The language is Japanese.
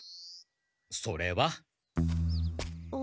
それは？あ。